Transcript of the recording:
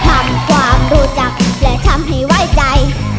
ทำความรู้จักและทำให้ไว้ใจ